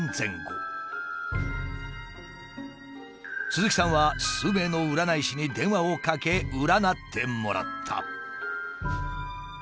鈴木さんは数名の占い師に電話をかけ占ってもらった。